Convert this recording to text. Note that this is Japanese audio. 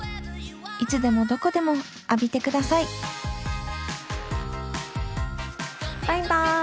いつでもどこでも浴びてくださいバイバイ。